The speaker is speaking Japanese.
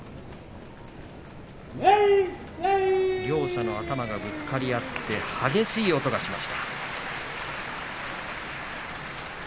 両者の頭がぶつかり合って激しい音がしました。